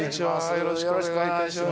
よろしくお願いします。